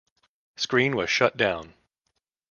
Screen was shut down.